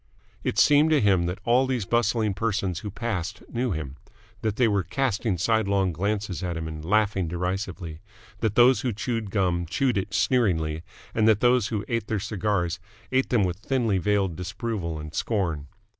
It seemed to him that all these bustling persons who passed knew him, that they were casting sidelong glances at him and laughing derisively, that those who chewed gum chewed it sneeringly and that those who ate their cigars ate them with thinly veiled disapproval and scorn.